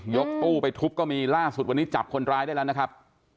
กตู้ไปทุบก็มีล่าสุดวันนี้จับคนร้ายได้แล้วนะครับ